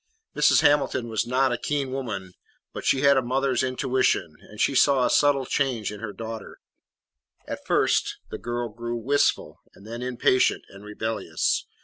Mrs. Hamilton was not a keen woman, but she had a mother's intuitions, and she saw a subtle change in her daughter. At first the girl grew wistful and then impatient and rebellious.